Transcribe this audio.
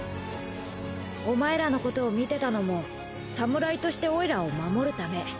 お前らのことを見てたのも侍としてオイラを守るため。